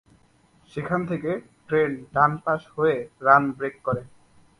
সেখান থেকে ট্রেন ডান পাশ হয়ে রান ব্রেক করে।